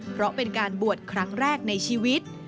เพราะเป็นการบวชครั้งแรกในชีวิต